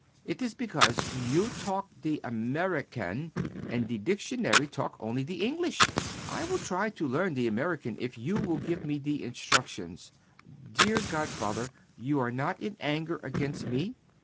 It is because you talk the American and the dictionary talk only the English. I will try to learn the American if you will to me give the instructions. Dear godfather, you are not in anger against me?